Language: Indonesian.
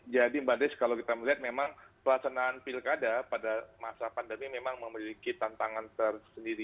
jadi mbak des kalau kita melihat memang pelaksanaan pilkada pada masa pandemi memang memiliki tantangan tersendiri